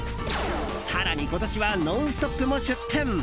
更に、今年は「ノンストップ！」も出店。